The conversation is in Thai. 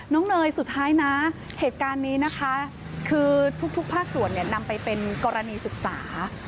เนยสุดท้ายนะเหตุการณ์นี้นะคะคือทุกภาคส่วนเนี่ยนำไปเป็นกรณีศึกษา